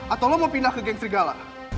atau lo mau pindah ke geng serigala